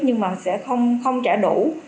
nhưng mà sẽ không trả đủ